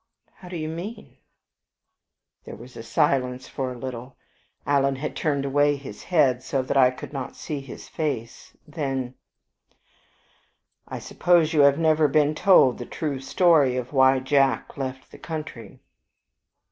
"How do you mean?" There was silence for a little. Alan had turned away his head, so that I could not see his face. Then "I suppose you have never been told the true story of why Jack left the country?"